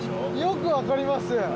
よくわかります。